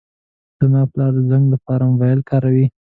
زما پلار د زنګ لپاره موبایل کاروي.